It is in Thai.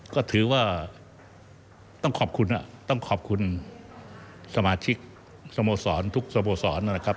ก็ถือว่าต้องขอบคุณต้องขอบคุณสมาชิกสโมสรทุกสโมสรนะครับ